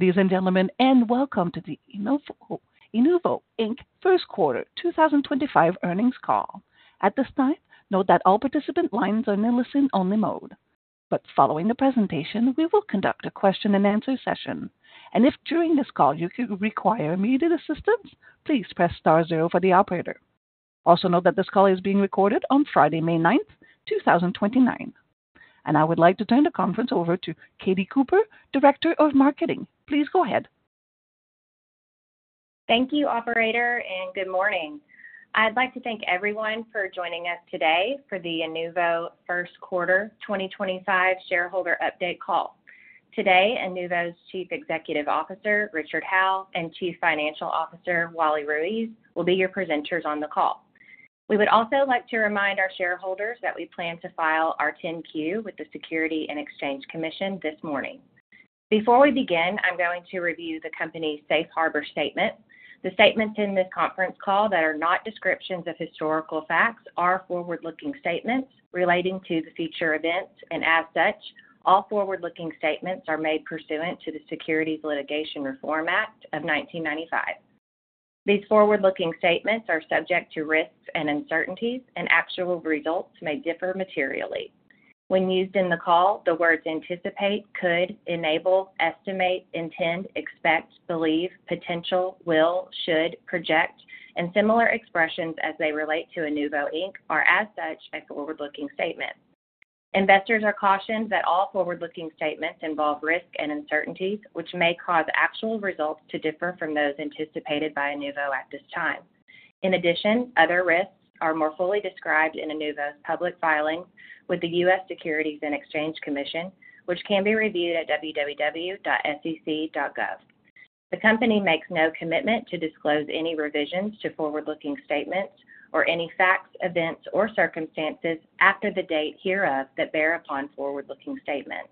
Ladies and gentlemen, and welcome to the Inuvo First Quarter 2025 earnings call. At this time, note that all participant lines are in listen-only mode. Following the presentation, we will conduct a question-and-answer session. If during this call you require immediate assistance, please press star zero for the operator. Also note that this call is being recorded on Friday, May 9, 2025. I would like to turn the conference over to Katie Cooper, Director of Marketing. Please go ahead. Thank you, Operator, and good morning. I'd like to thank everyone for joining us today for the Inuvo First Quarter 2025 shareholder update call. Today, Inuvo's Chief Executive Officer, Richard Howe, and Chief Financial Officer, Wally Ruiz, will be your presenters on the call. We would also like to remind our shareholders that we plan to file our 10-Q with the U.S. Securities and Exchange Commission this morning. Before we begin, I'm going to review the company's safe harbor statement. The statements in this conference call that are not descriptions of historical facts are forward-looking statements relating to future events, and as such, all forward-looking statements are made pursuant to the Securities Litigation Reform Act of 1995. These forward-looking statements are subject to risks and uncertainties, and actual results may differ materially. When used in the call, the words anticipate, could, enable, estimate, intend, expect, believe, potential, will, should, project, and similar expressions as they relate to Inuvo are, as such, a forward-looking statement. Investors are cautioned that all forward-looking statements involve risk and uncertainties, which may cause actual results to differ from those anticipated by Inuvo at this time. In addition, other risks are more fully described in Inuvo's public filings with the U.S. Securities and Exchange Commission, which can be reviewed at www.sec.gov. The company makes no commitment to disclose any revisions to forward-looking statements or any facts, events, or circumstances after the date hereof that bear upon forward-looking statements.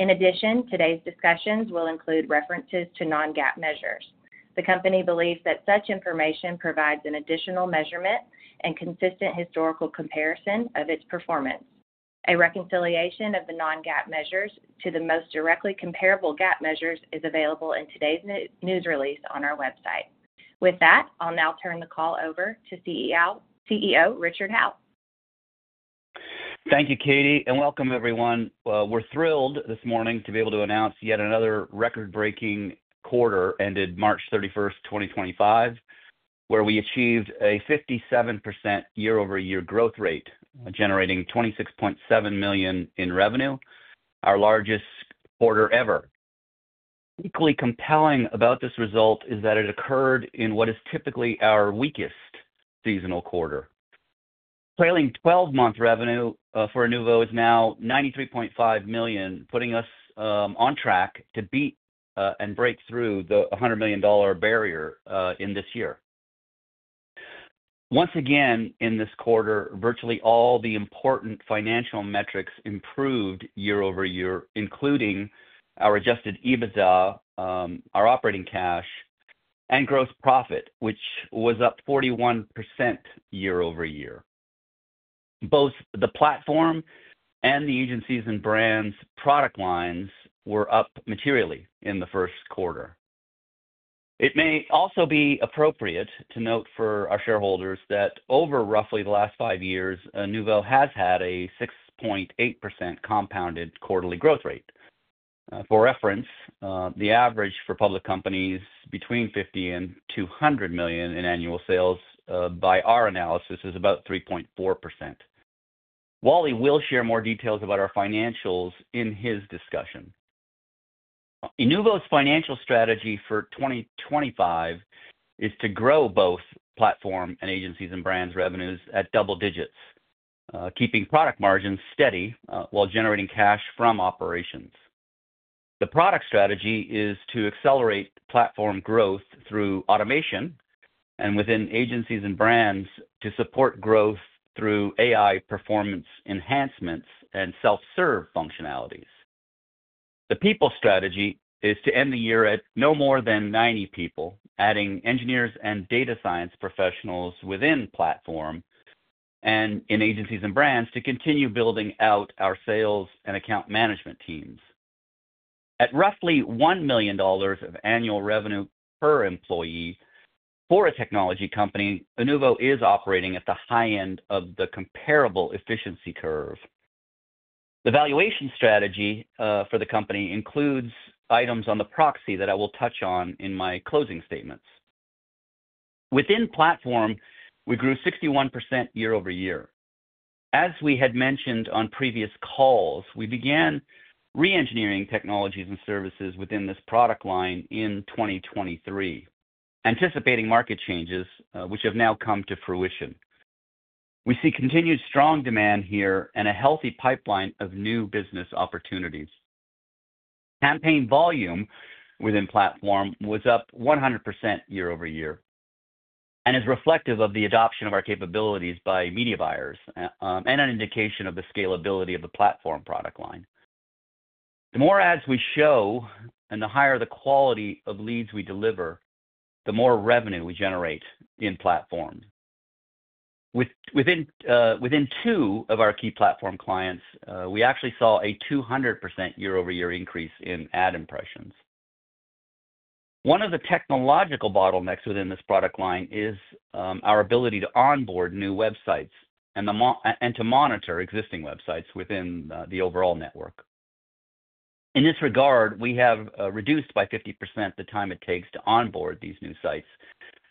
In addition, today's discussions will include references to non-GAAP measures. The company believes that such information provides an additional measurement and consistent historical comparison of its performance. A reconciliation of the non-GAAP measures to the most directly comparable GAAP measures is available in today's news release on our website. With that, I'll now turn the call over to CEO Richard Howe. Thank you, Katie, and welcome, everyone. We're thrilled this morning to be able to announce yet another record-breaking quarter ended March 31st, 2025, where we achieved a 57% year-over-year growth rate, generating $26.7 million in revenue, our largest quarter ever. Equally compelling about this result is that it occurred in what is typically our weakest seasonal quarter. Trailing 12 month revenue for Inuvo's now $93.5 million, putting us on track to beat and break through the $100 million barrier in this year. Once again, in this quarter, virtually all the important financial metrics improved year-over-year, including our adjusted EBITDA, our operating cash, and gross profit, which was up 41% year-over-year. Both the Platform and the Agencies & Brands product lines were up materially in the first quarter. It may also be appropriate to note for our shareholders that over roughly the last five years, Inuvo has had a 6.8% compounded quarterly growth rate. For reference, the average for public companies between $50 million and $200 million in annual sales by our analysis is about 3.4%. Wally will share more details about our financials in his discussion. Inuvo's financial strategy for 2025 is to grow both Platform and Agencies & Brands' revenues at double digits, keeping product margins steady while generating cash from operations. The product strategy is to accelerate Platform growth through automation and within Agencies & Brands to support growth through AI performance enhancements and self-serve functionalities. The people strategy is to end the year at no more than 90 people, adding engineers and data science professionals within Platform and in Agencies & Brands to continue building out our sales and account management teams. At roughly $1 million of annual revenue per employee for a technology company, Inuvo is operating at the high end of the comparable efficiency curve. The valuation strategy for the company includes items on the proxy that I will touch on in my closing statements. Within Platform, we grew 61% year-over-year. As we had mentioned on previous calls, we began re-engineering technologies and services within this product line in 2023, anticipating market changes which have now come to fruition. We see continued strong demand here and a healthy pipeline of new business opportunities. Campaign volume within Platform was up 100% year-over-year and is reflective of the adoption of our capabilities by media buyers and an indication of the scalability of the Platform product line. The more ads we show and the higher the quality of leads we deliver, the more revenue we generate in Platform. Within two of our IntentKey Platform clients, we actually saw a 200% year-over-year increase in ad impressions. One of the technological bottlenecks within this product line is our ability to onboard new websites and to monitor existing websites within the overall network. In this regard, we have reduced by 50% the time it takes to onboard these new sites,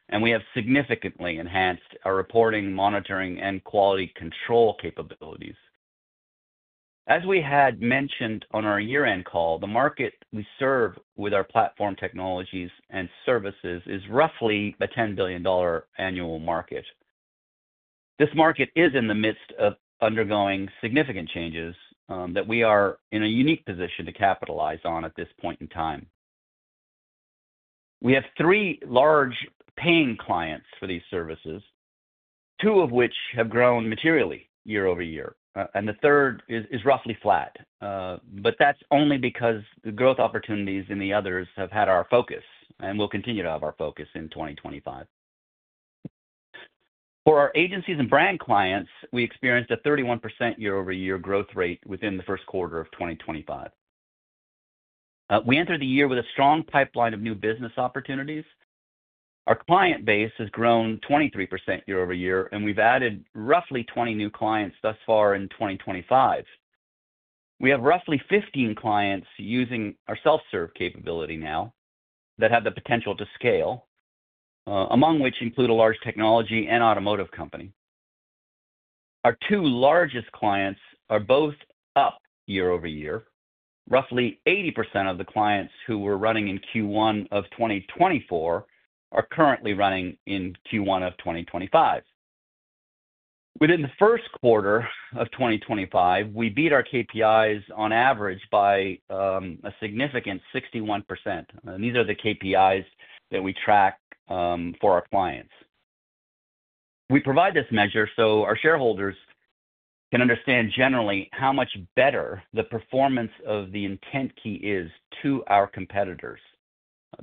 and we have significantly enhanced our reporting, monitoring, and quality control capabilities. As we had mentioned on our year-end call, the market we serve with our platform technologies and services is roughly a $10 billion annual market. This market is in the midst of undergoing significant changes that we are in a unique position to capitalize on at this point in time. We have three large paying clients for these services, two of which have grown materially year-over-year, and the third is roughly flat. That is only because the growth opportunities in the others have had our focus and will continue to have our focus in 2025. For our Agencies & Brands clients, we experienced a 31% year-over-year growth rate within the first quarter of 2025. We entered the year with a strong pipeline of new business opportunities. Our client base has grown 23% year-over-year, and we have added roughly 20 new clients thus far in 2025. We have roughly 15 clients using our Self-Serve capability now that have the potential to scale, among which include a large technology and automotive company. Our two largest clients are both up year-over-year. Roughly 80% of the clients who were running in Q1 of 2024 are currently running in Q1 of 2025. Within the first quarter of 2025, we beat our KPIs on average by a significant 61%. These are the KPIs that we track for our clients. We provide this measure so our shareholders can understand generally how much better the performance of the IntentKey is to our competitors,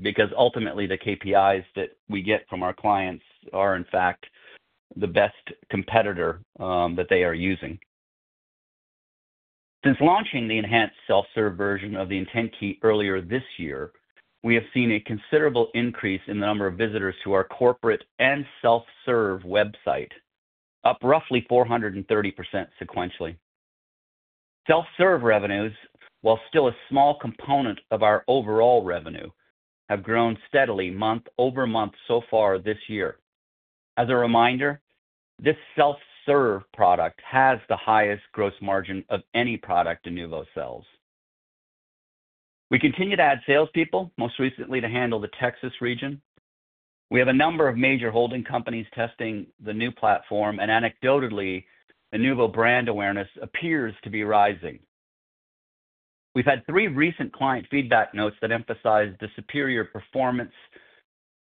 because ultimately the KPIs that we get from our clients are, in fact, the best competitor that they are using. Since launching the enhanced Self-Serve version of the IntentKey earlier this year, we have seen a considerable increase in the number of visitors to our corporate and Self-Serve website, up roughly 430% sequentially. Self-Serve revenues, while still a small component of our overall revenue, have grown steadily month over month so far this year. As a reminder, this Self-Serve product has the highest gross margin of any product Inuvo sells. We continue to add salespeople, most recently to handle the Texas region. We have a number of major holding companies testing the new Platform, and anecdotally, Inuvo brand awareness appears to be rising. We've had three recent client feedback notes that emphasize the superior performance,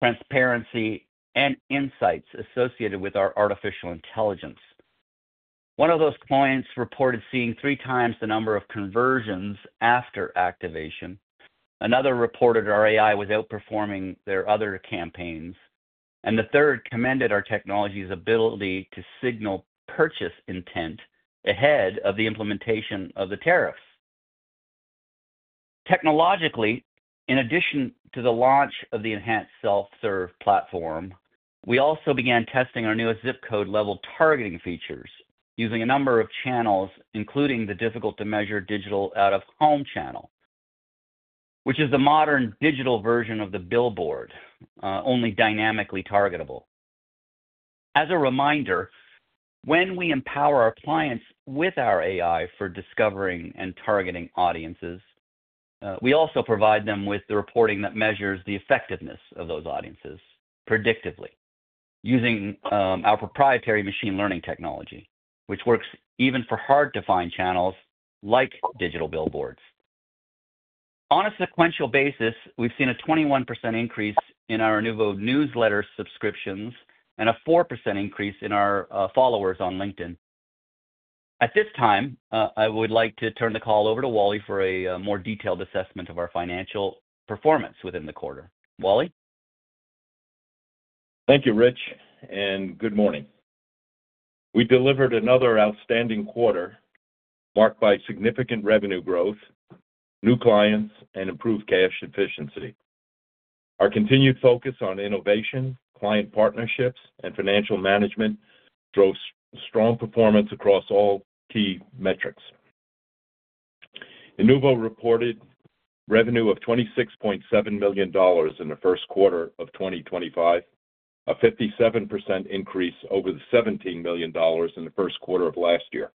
transparency, and insights associated with our artificial intelligence. One of those clients reported seeing three times the number of conversions after activation. Another reported our AI was outperforming their other campaigns. The third commended our technology's ability to signal purchase intent ahead of the implementation of the tariffs. Technologically, in addition to the launch of the enhanced Self-Serve Platform, we also began testing our newest zip code-level targeting features using a number of channels, including the difficult-to-measure digital out-of-home channel, which is the modern digital version of the billboard, only dynamically targetable. As a reminder, when we empower our clients with our AI for discovering and targeting audiences, we also provide them with the reporting that measures the effectiveness of those audiences predictively using our proprietary machine learning technology, which works even for hard-to-find channels like digital billboards. On a sequential basis, we have seen a 21% increase in our Inuvo newsletter subscriptions and a 4% increase in our followers on LinkedIn. At this time, I would like to turn the call over to Wally for a more detailed assessment of our financial performance within the quarter. Wally? Thank you, Rich, and good morning. We delivered another outstanding quarter marked by significant revenue growth, new clients, and improved cash efficiency. Our continued focus on innovation, client partnerships, and financial management drove strong performance across all key metrics. Inuvo reported revenue of $26.7 million in the first quarter of 2025, a 57% increase over the $17 million in the first quarter of last year.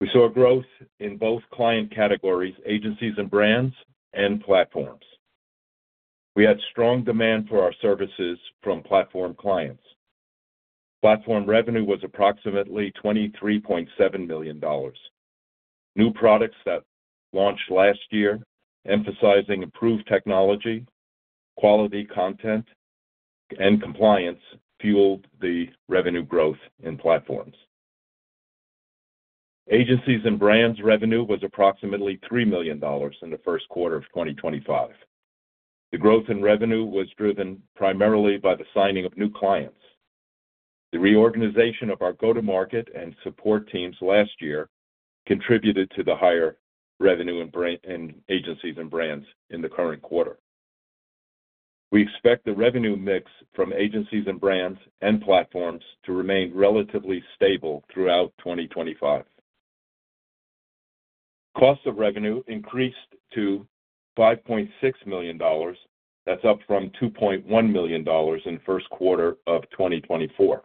We saw growth in both client categories, Agencies & Brands, and Platforms. We had strong demand for our services from Platform clients. Platform revenue was approximately $23.7 million. New products that launched last year, emphasizing improved technology, quality content, and compliance, fueled the revenue growth in Platforms. Agencies & Brands revenue was approximately $3 million in the first quarter of 2025. The growth in revenue was driven primarily by the signing of new clients. The reorganization of our go-to-market and support teams last year contributed to the higher revenue in Agencies & Brands in the current quarter. We expect the revenue mix from Agencies & Brands and Platform to remain relatively stable throughout 2025. Cost of revenue increased to $5.6 million. That's up from $2.1 million in the first quarter of 2024,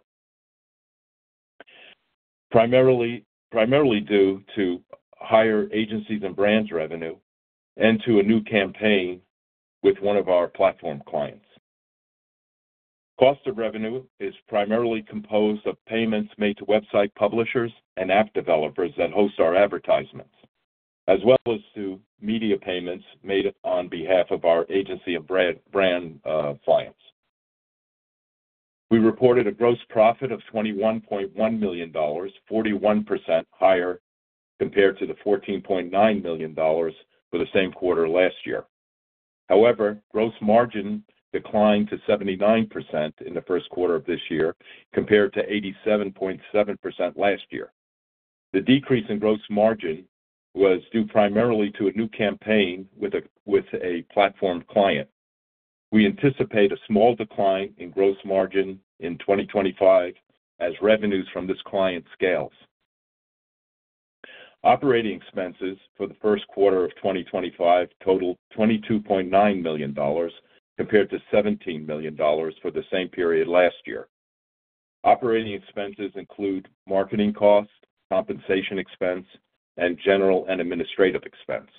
primarily due to higher Agencies & Brands revenue and to a new campaign with one of our Platform clients. Cost of revenue is primarily composed of payments made to website publishers and app developers that host our advertisements, as well as to media payments made on behalf of our Agencies & Brand clients. We reported a gross profit of $21.1 million, 41% higher compared to the $14.9 million for the same quarter last year. However, gross margin declined to 79% in the first quarter of this year compared to 87.7% last year. The decrease in gross margin was due primarily to a new campaign with a Platform client. We anticipate a small decline in gross margin in 2025 as revenues from this client scales. Operating expenses for the first quarter of 2025 totaled $22.9 million compared to $17 million for the same period last year. Operating expenses include marketing cost, compensation expense, and general and administrative expense.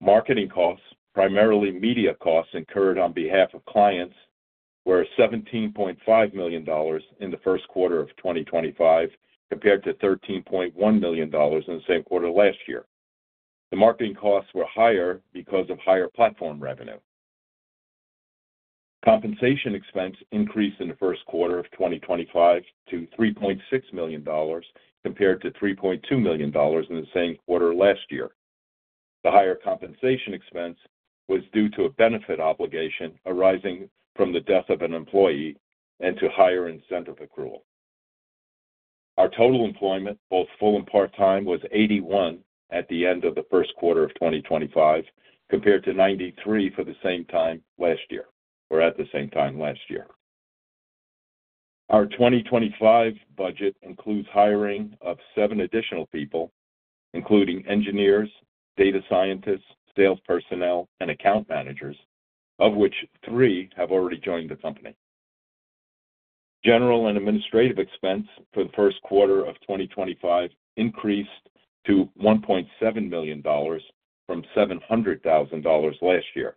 Marketing costs, primarily media costs incurred on behalf of clients, were $17.5 million in the first quarter of 2025 compared to $13.1 million in the same quarter last year. The marketing costs were higher because of higher Platform revenue. Compensation expense increased in the first quarter of 2025 to $3.6 million compared to $3.2 million in the same quarter last year. The higher compensation expense was due to a benefit obligation arising from the death of an employee and to higher incentive accrual. Our total employment, both full and part-time, was 81 at the end of the first quarter of 2025 compared to 93 for the same time last year or at the same time last year. Our 2025 budget includes hiring of seven additional people, including engineers, data scientists, sales personnel, and account managers, of which three have already joined the company. General and administrative expense for the first quarter of 2025 increased to $1.7 million from $700,000 last year.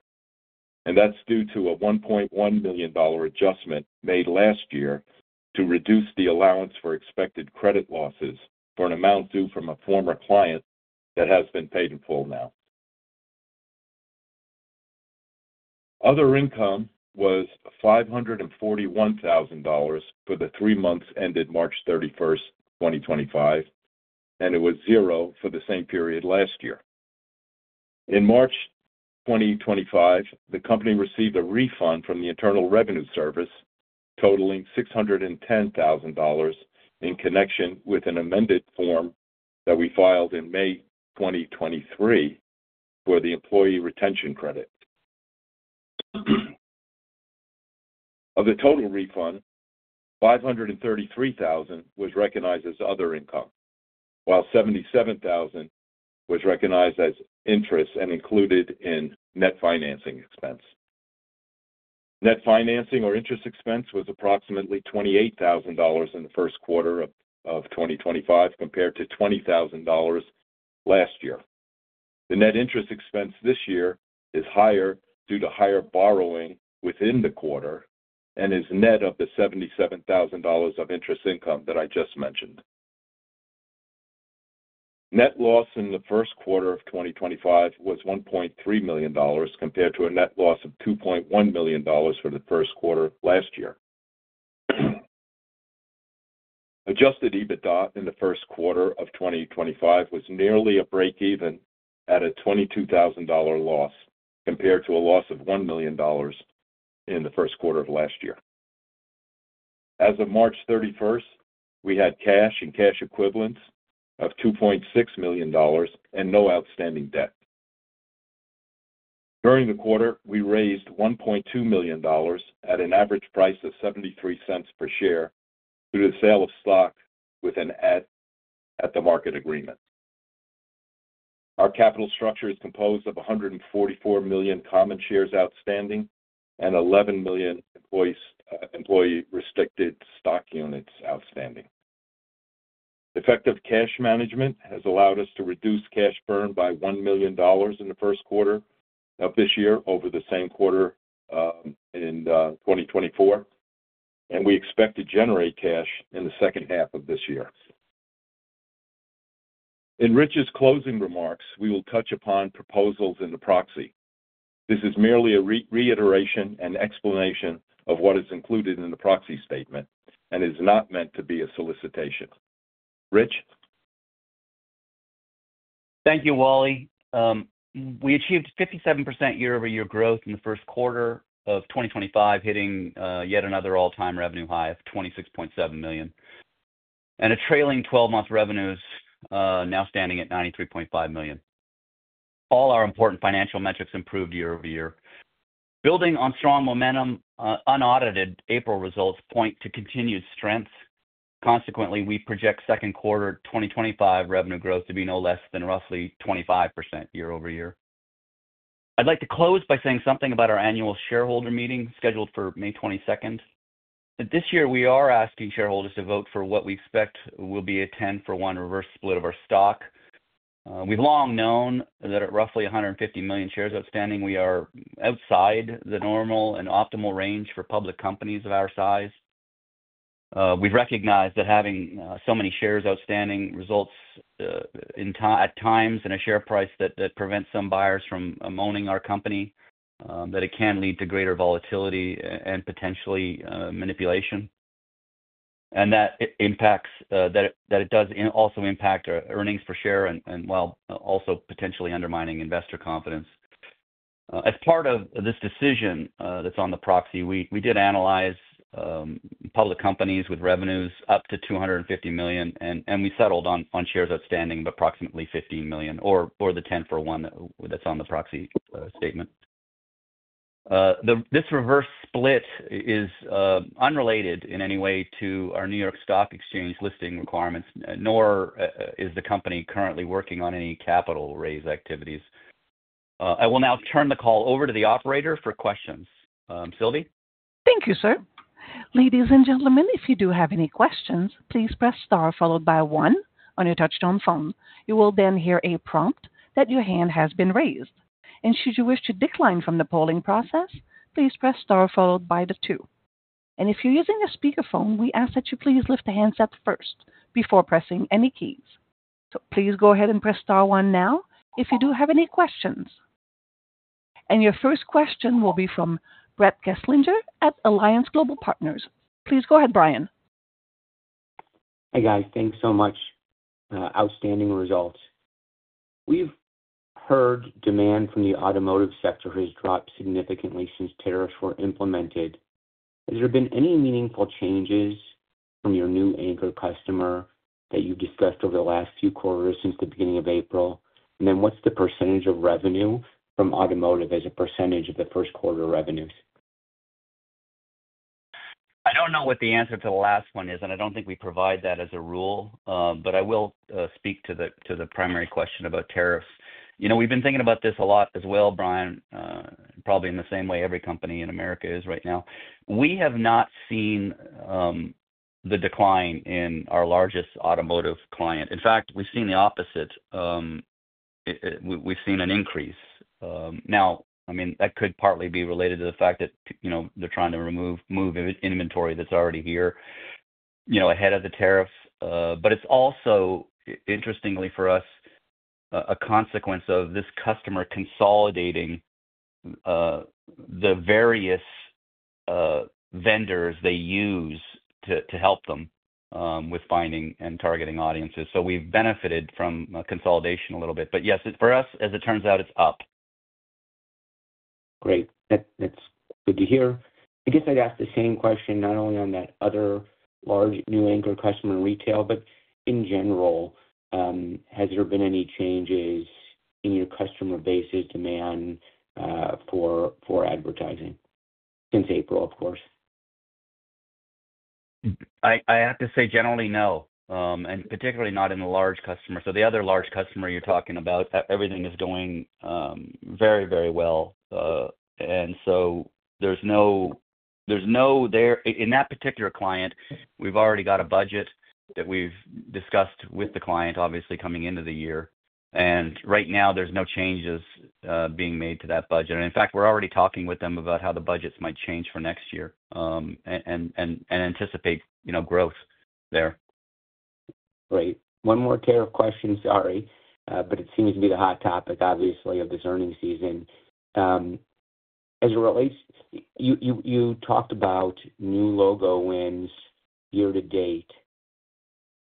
That is due to a $1.1 million adjustment made last year to reduce the allowance for expected credit losses for an amount due from a former client that has been paid in full now. Other income was $541,000 for the three months ended March 31st, 2025, and it was zero for the same period last year. In March 2025, the company received a refund from the Internal Revenue Service totaling $610,000 in connection with an amended form that we filed in May 2023 for the employee retention credit. Of the total refund, $533,000 was recognized as other income, while $77,000 was recognized as interest and included in net financing expense. Net financing or interest expense was approximately $28,000 in the first quarter of 2025 compared to $20,000 last year. The net interest expense this year is higher due to higher borrowing within the quarter and is net of the $77,000 of interest income that I just mentioned. Net loss in the first quarter of 2025 was $1.3 million compared to a net loss of $2.1 million for the first quarter last year. Adjusted EBITDA in the first quarter of 2025 was nearly a break-even at a $22,000 loss compared to a loss of $1 million in the first quarter of last year. As of March 31, we had cash and cash equivalents of $2.6 million and no outstanding debt. During the quarter, we raised $1.2 million at an average price of $0.73 per share through the sale of stock with an at the market agreement. Our capital structure is composed of 144 million common shares outstanding and 11 million employee-restricted stock units outstanding. Effective cash management has allowed us to reduce cash burn by $1 million in the first quarter of this year over the same quarter in 2024, and we expect to generate cash in the second half of this year. In Rich's closing remarks, we will touch upon proposals in the proxy. This is merely a reiteration and explanation of what is included in the proxy statement and is not meant to be a solicitation. Rich? Thank you, Wally. We achieved 57% year-over-year growth in the first quarter of 2025, hitting yet another all-time revenue high of $26.7 million and a trailing 12 month revenues now standing at $93.5 million. All our important financial metrics improved year-over-year. Building on strong momentum, unaudited April results point to continued strength. Consequently, we project second quarter 2025 revenue growth to be no less than roughly 25% year-over-year. I'd like to close by saying something about our annual shareholder meeting scheduled for May 22nd. This year, we are asking shareholders to vote for what we expect will be a 10 for one reverse split of our stock. We've long known that at roughly 150 million shares outstanding, we are outside the normal and optimal range for public companies of our size. We've recognized that having so many shares outstanding results at times in a share price that prevents some buyers from owning our company, that it can lead to greater volatility and potentially manipulation, and that it does also impact our earnings per share and while also potentially undermining investor confidence. As part of this decision that's on the proxy, we did analyze public companies with revenues up to $250 million, and we settled on shares outstanding of approximately 15 million or the 10 for one that's on the proxy statement. This reverse split is unrelated in any way to our New York Stock Exchange listing requirements, nor is the company currently working on any capital raise activities. I will now turn the call over to the operator for questions. Sylvie? Thank you, sir. Ladies and gentlemen, if you do have any questions, please press star followed by one on your touch-tone phone. You will then hear a prompt that your hand has been raised. Should you wish to decline from the polling process, please press star followed by two. If you're using a speakerphone, we ask that you please lift the handset first before pressing any keys. Please go ahead and press star one now if you do have any questions. Your first question will be from Brett Kinstlinger at Alliance Global Partners. Please go ahead, Brian. Hey, guys. Thanks so much. Outstanding results. We've heard demand from the automotive sector has dropped significantly since tariffs were implemented. Has there been any meaningful changes from your new anchor customer that you've discussed over the last few quarters since the beginning of April? What's the percentage of revenue from automotive as a percentage of the first quarter revenues? I do not know what the answer to the last one is, and I do not think we provide that as a rule, but I will speak to the primary question about tariffs. We have been thinking about this a lot as well, Brian, probably in the same way every company in America is right now. We have not seen the decline in our largest automotive client. In fact, we have seen the opposite. We have seen an increase. I mean, that could partly be related to the fact that they are trying to move inventory that is already here ahead of the tariffs. It is also, interestingly for us, a consequence of this customer consolidating the various vendors they use to help them with finding and targeting audiences. We have benefited from consolidation a little bit. Yes, for us, as it turns out, it is up. Great. That's good to hear. I guess I'd ask the same question not only on that other large new anchor customer retail, but in general, has there been any changes in your customer base's demand for advertising since April, of course? I have to say, generally, no, and particularly not in the large customer. The other large customer you're talking about, everything is going very, very well. There is no, there in that particular client, we've already got a budget that we've discussed with the client, obviously, coming into the year. Right now, there's no changes being made to that budget. In fact, we're already talking with them about how the budgets might change for next year and anticipate growth there. Great. One more pair of questions, sorry, but it seems to be the hot topic, obviously, of this earnings season. As it relates, you talked about new logo wins year to date.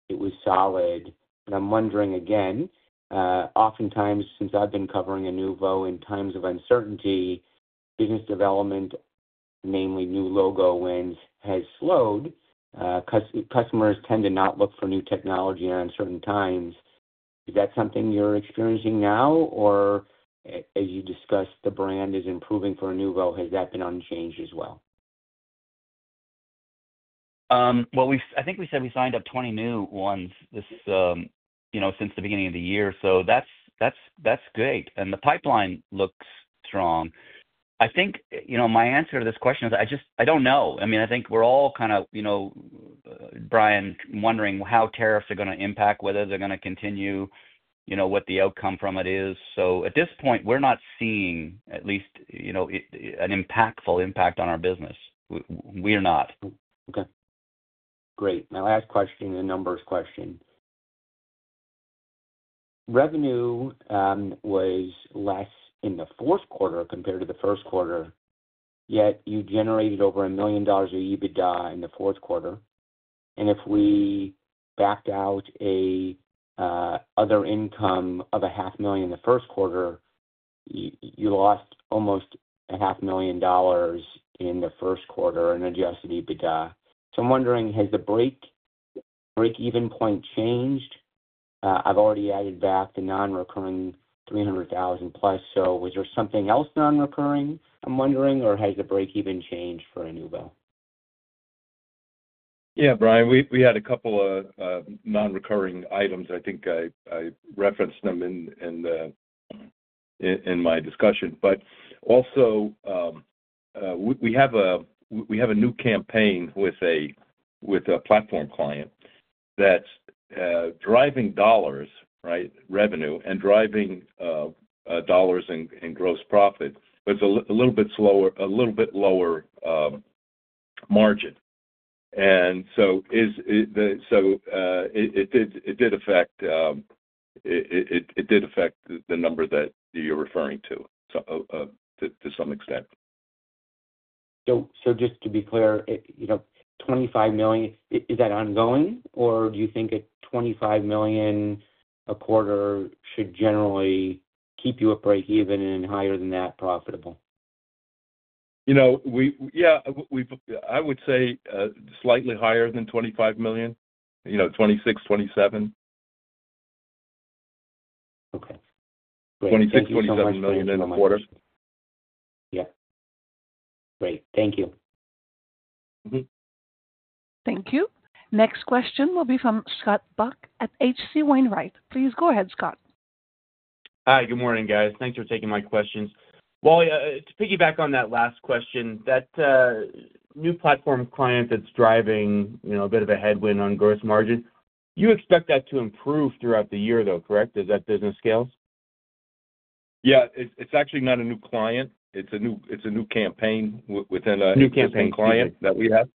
It was solid. I am wondering again, oftentimes, since I have been covering Inuvo in times of uncertainty, business development, namely new logo wins, has slowed. Customers tend to not look for new technology at uncertain times. Is that something you are experiencing now? As you discussed, the brand is improving for Inuvo, has that been unchanged as well? I think we said we signed up 20 new ones since the beginning of the year. That is good. The pipeline looks strong. I think my answer to this question is I do not know. I mean, I think we are all kind of, Brian, wondering how tariffs are going to impact, whether they are going to continue, what the outcome from it is. At this point, we are not seeing, at least, an impactful impact on our business. We are not. Okay. Great. My last question, the numbers question. Revenue was less in the fourth quarter compared to the first quarter, yet you generated over $1 million of EBITDA in the fourth quarter. If we backed out another income of $500,000 in the first quarter, you lost almost $500,000 in the first quarter in adjusted EBITDA. I'm wondering, has the break-even point changed? I've already added back the non-recurring $300,000 plus. Was there something else non-recurring, I'm wondering, or has the break-even changed for Inuvo? Yeah, Brian, we had a couple of non-recurring items. I think I referenced them in my discussion. Also, we have a new campaign with a Platform client that's driving dollars, right, revenue, and driving dollars in gross profit. It's a little bit slower, a little bit lower margin. It did affect the number that you're referring to to some extent. Just to be clear, $25 million, is that ongoing, or do you think at $25 million a quarter should generally keep you at break-even and higher than that profitable? Yeah, I would say slightly higher than $25 million, you know $26 million, $27 million. Okay. 26 million, 27 million in a quarter. Yeah. Great. Thank you. Thank you. Next question will be from Scott Buck at H.C. Wainwright. Please go ahead, Scott. Hi, good morning, guys. Thanks for taking my questions. Wally, to piggyback on that last question, that new Platform client that's driving a bit of a headwind on gross margin, you expect that to improve throughout the year, though, correct? Is that business scales? Yeah. It's actually not a new client. It's a new campaign within a. New campaign client that we have.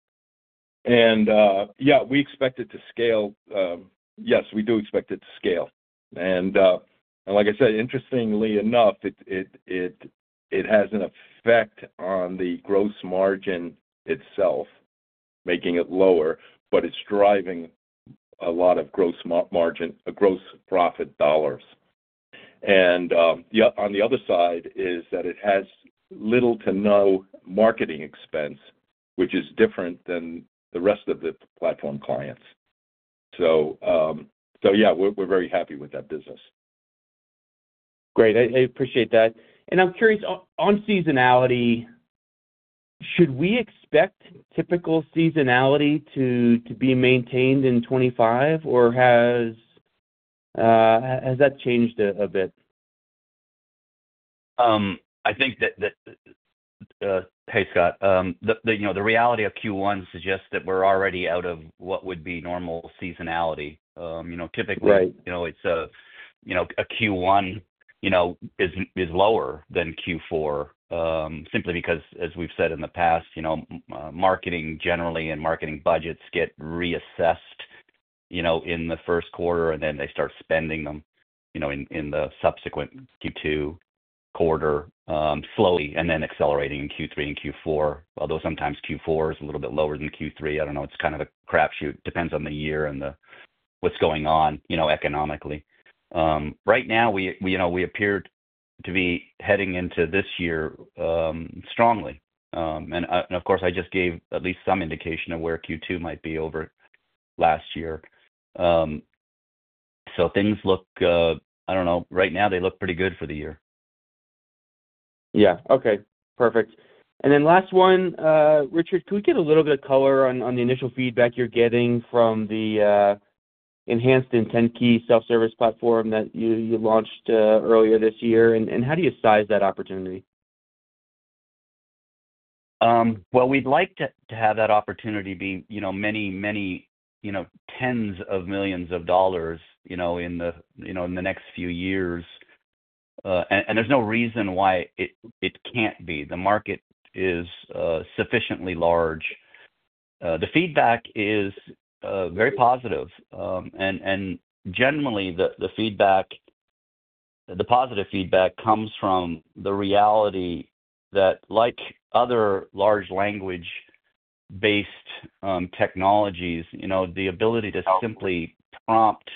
Yeah, we expect it to scale. Yes, we do expect it to scale. Like I said, interestingly enough, it has an effect on the gross margin itself, making it lower, but it's driving a lot of gross profit dollars. On the other side is that it has little to no marketing expense, which is different than the rest of the platform clients. Yeah, we're very happy with that business. Great. I appreciate that. I'm curious, on seasonality, should we expect typical seasonality to be maintained in 2025, or has that changed a bit? I think that, hey, Scott, the reality of Q1 suggests that we're already out of what would be normal seasonality. Typically, Q1 is lower than Q4 simply because, as we've said in the past, marketing generally and marketing budgets get reassessed in the first quarter, and then they start spending them in the subsequent Q2 quarter slowly and then accelerating in Q3 and Q4, although sometimes Q4 is a little bit lower than Q3. I don't know. It's kind of a crapshoot. Depends on the year and what's going on economically. Right now, we appear to be heading into this year strongly. Of course, I just gave at least some indication of where Q2 might be over last year. Things look, I don't know, right now, they look pretty good for the year. Yeah. Okay. Perfect. Then last one, Richard, could we get a little bit of color on the initial feedback you're getting from the enhanced IntentKey self-service platform that you launched earlier this year? How do you size that opportunity? We'd like to have that opportunity be many, many tens of millions of dollars in the next few years. There's no reason why it can't be. The market is sufficiently large. The feedback is very positive. Generally, the positive feedback comes from the reality that, like other large language-based technologies, the ability to simply prompt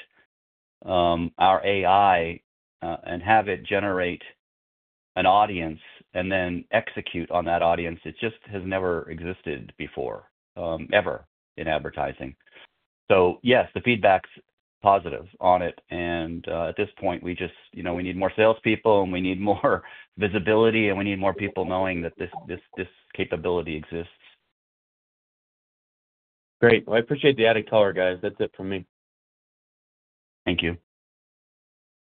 our AI and have it generate an audience and then execute on that audience, it just has never existed before, ever, in advertising. Yes, the feedback's positive on it. At this point, we just need more salespeople, and we need more visibility, and we need more people knowing that this capability exists. Great. I appreciate the added color, guys. That's it for me. Thank you.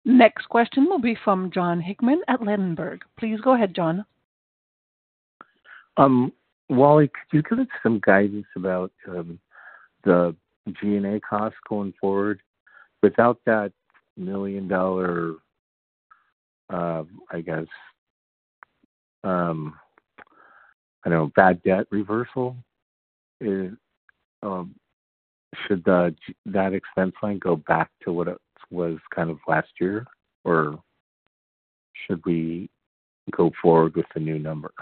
Next question will be from Jon Hickman at Lindenberg. Please go ahead, John. Wally, could you give us some guidance about the G&A costs going forward? Without that $1 million, I guess, I don't know, bad debt reversal, should that expense line go back to what it was kind of last year, or should we go forward with the new number?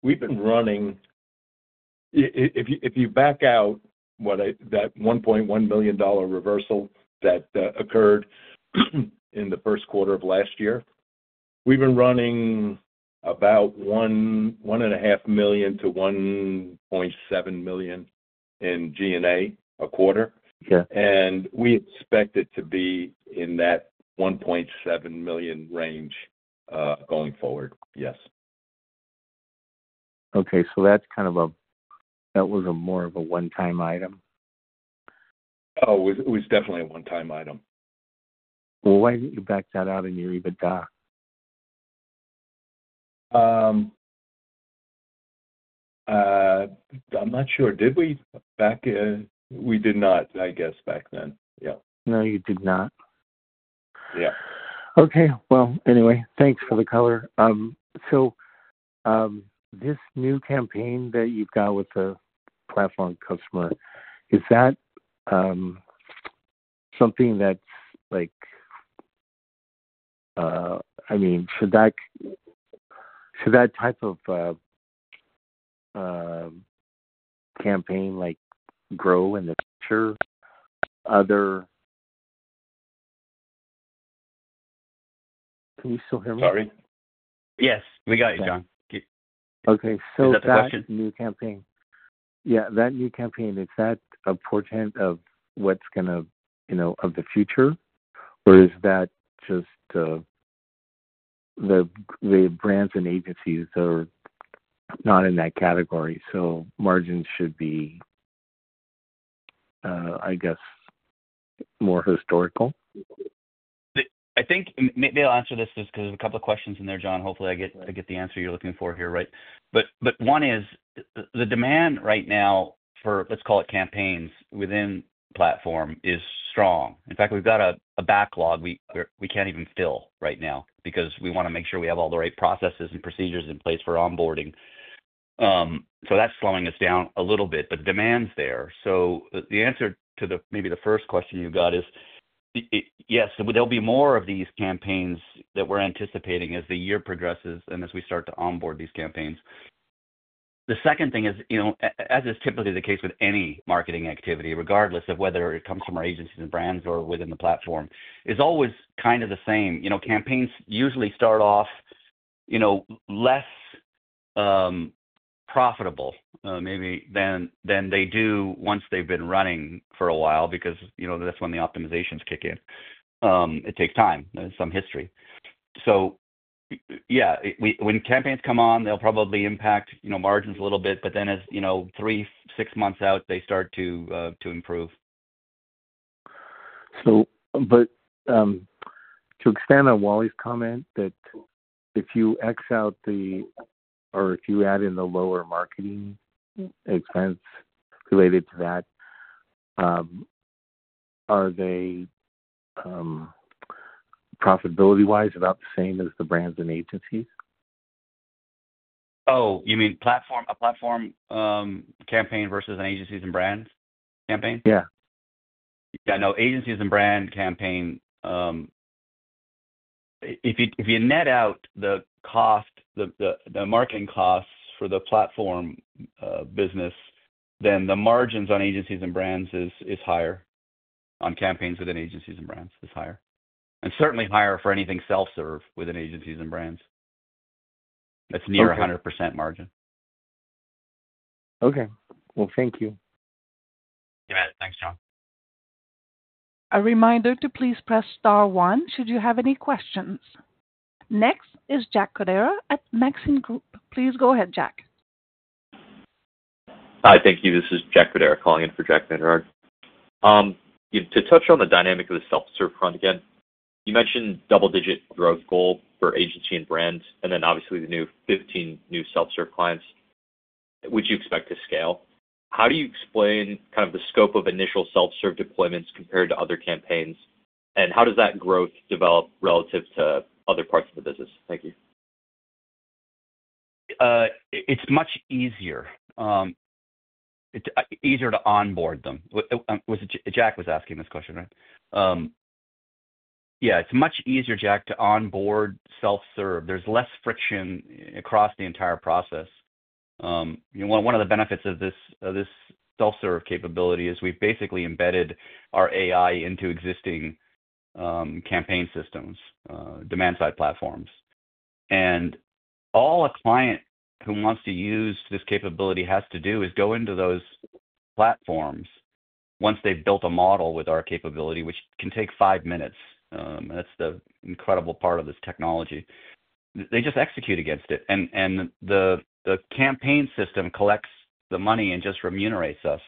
We've been running, if you back out that $1.1 million reversal that occurred in the first quarter of last year, we've been running about $1.5 million-$1.7 million in G&A a quarter. We expect it to be in that $1.7 million range going forward. Yes. Okay. So that's kind of a, that was more of a one-time item? Oh, it was definitely a one-time item. Why didn't you back that out in your EBITDA? I'm not sure. Did we back? We did not, I guess, back then. Yeah. No, you did not. Yeah. Okay. Anyway, thanks for the color. So this new campaign that you've got with the Platform customer, is that something that's, I mean, should that type of campaign grow in the future? Other, can you still hear me? Sorry. Yes. We got you, Jon. Okay. So that new campaign. Is that the question? Yeah. That new campaign, is that a portent of what's going to of the future, or is that just the brands and agencies are not in that category? So margins should be, I guess, more historical? I think maybe I'll answer this just because there's a couple of questions in there, Jon. Hopefully, I get the answer you're looking for here, right? One is the demand right now for, let's call it, campaigns within Platform is strong. In fact, we've got a backlog we can't even fill right now because we want to make sure we have all the right processes and procedures in place for onboarding. That's slowing us down a little bit, but demand's there. The answer to maybe the first question you got is, yes, there'll be more of these campaigns that we're anticipating as the year progresses and as we start to onboard these campaigns. The second thing is, as is typically the case with any marketing activity, regardless of whether it comes from our Agencies and Brands or within the Platform, it's always kind of the same. Campaigns usually start off less profitable maybe than they do once they've been running for a while because that's when the optimizations kick in. It takes time. There's some history. Yeah, when campaigns come on, they'll probably impact margins a little bit, but then as three, six months out, they start to improve. To expand on Wally's comment, if you X out the, or if you add in the lower marketing expense related to that, are they profitability-wise about the same as the brands and agencies? Oh, you mean a Platform campaign versus an Agencies & Brands campaign? Yeah. Yeah. No, Agencies & brand campaign. If you net out the marketing costs for the Platform business, then the margins on Agencies & Brands is higher. On campaigns within Agencies & Brands is higher. Certainly higher for anything Self-Serve within Agencies & Brands. That's near 100% margin. Okay. Thank you. You bet. Thanks, Jon. A reminder to please press star one should you have any questions. Next is Jack Codera at Maxim Group. Please go ahead, Jack. Hi, thank you. This is Jack Codera calling in for Jack Van Der Aarde. To touch on the dynamic of the Self-Serve front again, you mentioned double-digit growth goal for Agencies & Brands, and then obviously the 15 new Self-Serve clients, which you expect to scale. How do you explain kind of the scope of initial Self-Serve deployments compared to other campaigns, and how does that growth develop relative to other parts of the business? Thank you. It's much easier. It's easier to onboard them. Jack was asking this question, right? Yeah. It's much easier, Jack, to onboard self-serve. There's less friction across the entire process. One of the benefits of this Self-Serve capability is we've basically embedded our AI into existing campaign systems, demand-side platforms. All a client who wants to use this capability has to do is go into those platforms once they've built a model with our capability, which can take five minutes. That's the incredible part of this technology. They just execute against it. The campaign system collects the money and just remunerates us.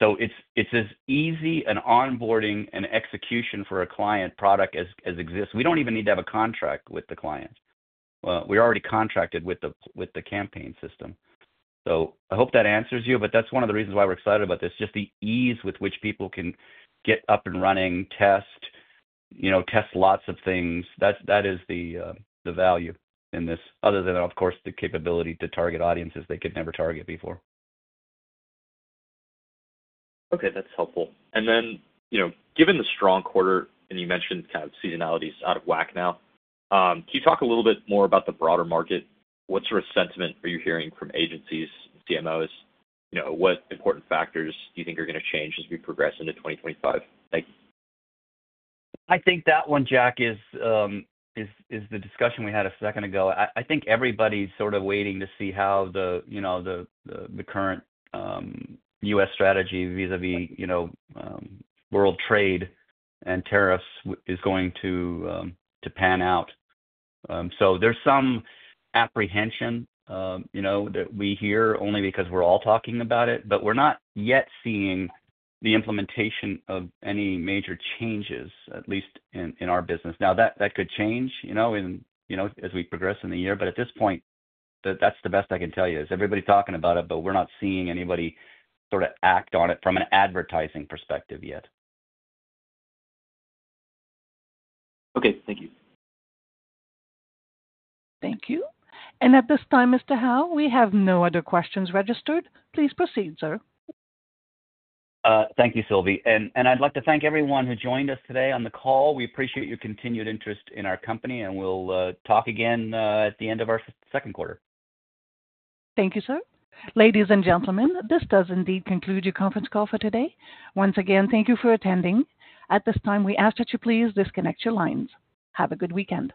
It's as easy an onboarding and execution for a client product as exists. We don't even need to have a contract with the client. We're already contracted with the campaign system. I hope that answers you, but that's one of the reasons why we're excited about this, just the ease with which people can get up and running, test lots of things. That is the value in this, other than, of course, the capability to target audiences they could never target before. Okay. That's helpful. Given the strong quarter, and you mentioned kind of seasonality is out of whack now, can you talk a little bit more about the broader market? What sort of sentiment are you hearing from agencies, CMOs? What important factors do you think are going to change as we progress into 2025? Thank you. I think that one, Jack, is the discussion we had a second ago. I think everybody's sort of waiting to see how the current U.S. strategy vis-à-vis world trade and tariffs is going to pan out. There is some apprehension that we hear only because we're all talking about it, but we're not yet seeing the implementation of any major changes, at least in our business. Now, that could change as we progress in the year, but at this point, that's the best I can tell you is everybody's talking about it, but we're not seeing anybody sort of act on it from an advertising perspective yet. Okay. Thank you. Thank you. At this time, Mr. Howe, we have no other questions registered. Please proceed, sir. Thank you, Sylvie. I would like to thank everyone who joined us today on the call. We appreciate your continued interest in our company, and we will talk again at the end of our second quarter. Thank you, sir. Ladies and gentlemen, this does indeed conclude your conference call for today. Once again, thank you for attending. At this time, we ask that you please disconnect your lines. Have a good weekend.